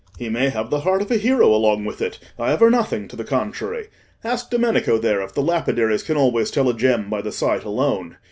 He may have the heart of a hero along with it; I aver nothing to the contrary. Ask Domenico there if the lapidaries can always tell a gem by the sight alone.